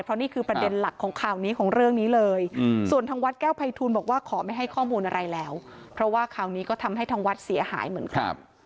เพราะนี่คือประเด็นหลักของข่าวนี้ของเรื่องนี้เลยส่วนทางวัดแก้วภัยทูลบอกว่าขอไม่ให้ข้อมูลอะไรแล้วเพราะว่าคราวนี้ก็ทำให้ทางวัดเสียหายเหมือนกัน